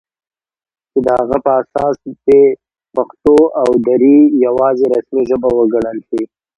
چې د هغه په اساس دې پښتو او دري یواځې رسمي ژبې وګڼل شي